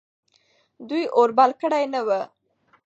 دوی اور بل کړی نه و.